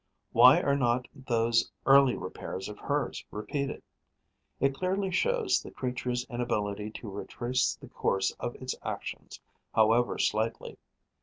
Why are not those early repairs of hers repeated? It clearly shows the creature's inability to retrace the course of its actions, however slightly.